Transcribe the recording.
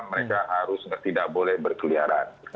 mereka harus tidak boleh berkeliaran